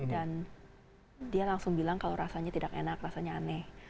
dan dia langsung bilang kalau rasanya tidak enak rasanya aneh